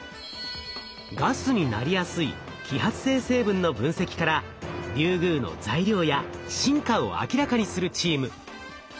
ガスになりやすい揮発性成分の分析からリュウグウの材料や進化を明らかにするチーム。